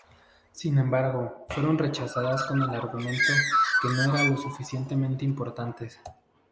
Sin embargo, fueron rechazadas con el argumento de que no eran lo suficientemente importantes.